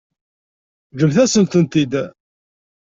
Ǧǧemt-asen-ten-id.